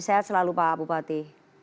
sehat selalu pak bupati